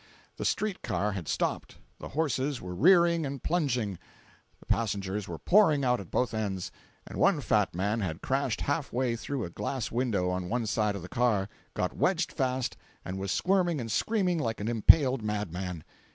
The street car had stopped, the horses were rearing and plunging, the passengers were pouring out at both ends, and one fat man had crashed half way through a glass window on one side of the car, got wedged fast and was squirming and screaming like an impaled madman.